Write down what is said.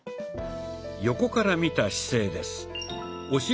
横から見た姿勢です。